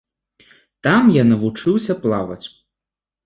Там я навучыўся плаваць.